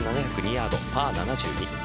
ヤードパー７２。